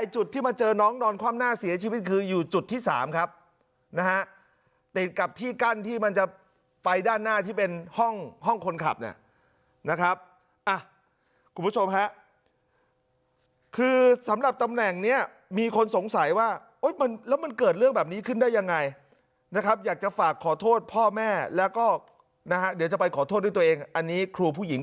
จุดที่มาเจอน้องนอนคว่ำหน้าเสียชีวิตคืออยู่จุดที่๓ครับนะฮะติดกับที่กั้นที่มันจะไปด้านหน้าที่เป็นห้องห้องคนขับเนี่ยนะครับคุณผู้ชมฮะคือสำหรับตำแหน่งนี้มีคนสงสัยว่าแล้วมันเกิดเรื่องแบบนี้ขึ้นได้ยังไงนะครับอยากจะฝากขอโทษพ่อแม่แล้วก็นะฮะเดี๋ยวจะไปขอโทษด้วยตัวเองอันนี้ครูผู้หญิง